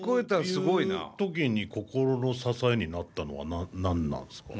そういう時に心の支えになったのは何なんですか？